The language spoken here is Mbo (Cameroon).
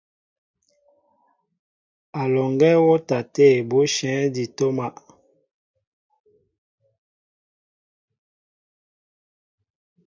A lɔŋgɛ wɔtaté bushɛŋ di toma.